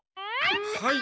はい。